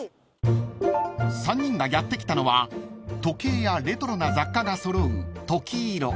［３人がやって来たのは時計やレトロな雑貨が揃う］